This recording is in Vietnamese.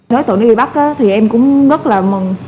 đối tượng đã bị bắt thì em cũng rất là mừng